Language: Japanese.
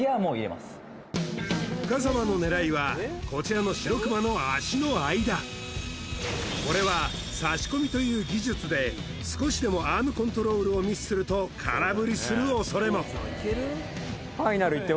深澤の狙いはこちらのシロクマの脚の間これは差し込みという技術で少しでもアームコントロールをミスすると空振りするおそれも誰もね